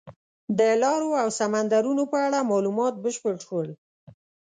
د لارو او سمندرونو په اړه معلومات بشپړ شول.